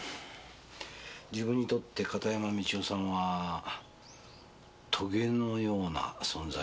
自分にとって片山美千代さんは棘のような存在だと。